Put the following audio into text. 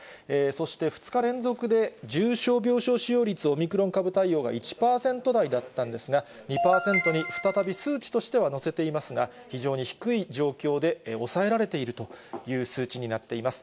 そして２日連続で重症病床使用率オミクロン株対応が１％だったんですが、２％に再び数値としては乗せていますが、非常に低い状況で抑えられているという数値になっています。